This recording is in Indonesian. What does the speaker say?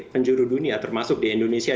penjuru dunia termasuk di indonesia